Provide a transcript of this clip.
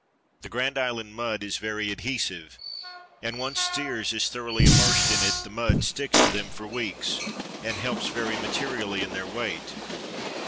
This Grand Island mud is very adhesive and once steers is thoroughly immersed in it the mud sticks to them for weeks and helps very materially in their weight.